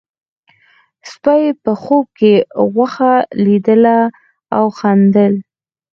سپي په خوب کې غوښه لیدله او خندل.